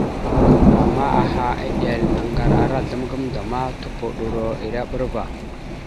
Ama aha, eɗel, aŋgar ara azzlam gamənda ma tupoɗoro ere bra ava.